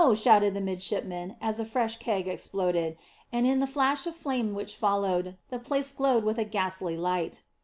shouted the midshipman, as a fresh keg exploded; and in the flash of flame which followed, the place glowed with a ghastly light.